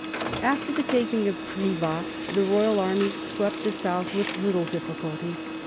After the taking of Privas, the royal armies swept the south with little difficulty.